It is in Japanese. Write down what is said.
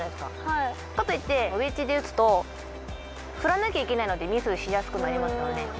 かといってウェッジで打つと振らなきゃいけないのでミスしやすくなりますよね。